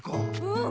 うん！